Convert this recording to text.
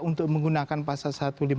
untuk menggunakan pasal satu ratus lima puluh